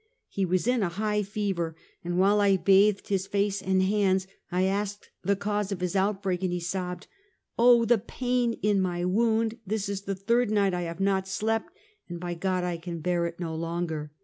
He was in a high fever, and while I bathed his face and hands, I asked the cause of his outbreak, and he sobbed: " Oh, the pain in my wound ! This is the third night I have not slept, and my God ! I can bear it no longer!"